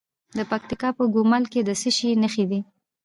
د پکتیکا په ګومل کې د څه شي نښې دي؟